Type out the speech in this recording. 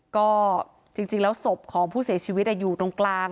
ก็จริงแล้วศพของผู้เสียชีวิตอยู่ตรงกลาง